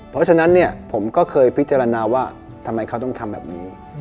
เพราะฉะนั้นเนี่ยผมก็เคยพิจารณาว่าทำไมเขาต้องทำแบบนี้